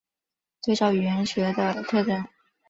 对照语言学的特征。